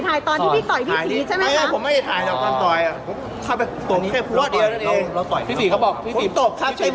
ถ่ายตอนหน่อยถ่ายตอนที่พี่ปล่อยพี่ศรีใช่ไหมคะ